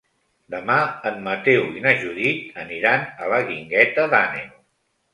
Demà en Mateu i na Judit aniran a la Guingueta d'Àneu.